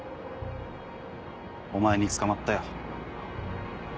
お前に捕まったよ。